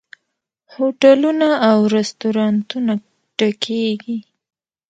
هوټلونه او رستورانتونه ډکیږي.